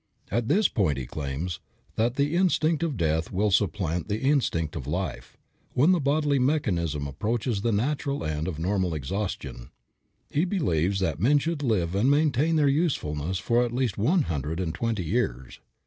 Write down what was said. At this point he claims that the instinct of death will supplant the instinct of life, when the bodily mechanism approaches the natural end of normal exhaustion. He believes that men should live and maintain their usefulness for at least one hundred and twenty years.